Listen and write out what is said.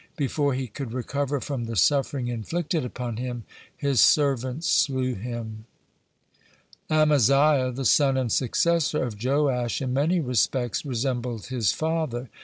Before he could recover from the suffering inflicted upon him, his servants slew him. (16) Amaziah, the son and successor of Joash, in many respects resembled his father.